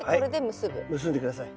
結んで下さい。